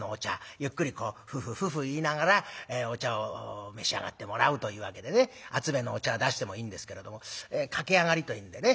ゆっくりこうフフフフ言いながらお茶を召し上がってもらうというわけでね熱めのお茶出してもいいんですけれども駆け上がりといってね